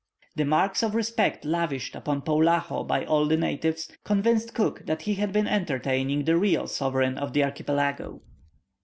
The marks of respect lavished upon Poulaho by all the natives, convinced Cook that he had been entertaining the real sovereign of the archipelago.